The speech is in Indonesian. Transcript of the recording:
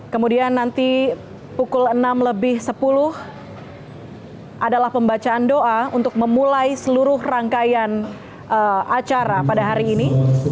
kemudian nanti pukul enam lebih sepuluh adalah pembacaan doa untuk memulai seluruh rangkaian acara pada hari ini